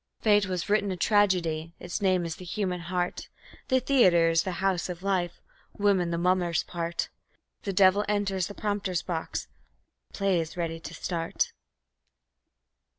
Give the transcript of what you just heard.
Fate has written a tragedy; its name is "The Human Heart". The Theatre is the House of Life, Woman the mummer's part; The Devil enters the prompter's box and the play is ready to start.